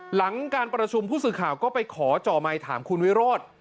หลังการประชุมผู้สื่อข่าวก็ไปขอจ่อไมค์ถามคุณวิโรธ